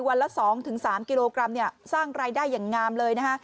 ละ๒๓กิโลกรัมสร้างรายได้อย่างงามเลยนะฮะ